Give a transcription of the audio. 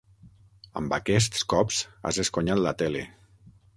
Amb aquests cops has esconyat la tele.